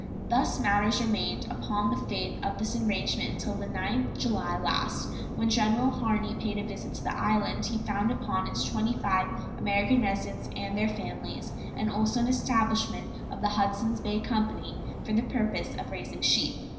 Thus matters remained upon the faith of this arrangement until the 9th July last, when General Harney paid a visit to the island. He found upon it twenty five American residents with their families, and also an establishment of the Hudsons Bay Company for the purpose of raising sheep.